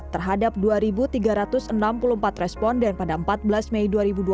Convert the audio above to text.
terhadap dua tiga ratus enam puluh empat responden pada empat belas mei dua ribu dua puluh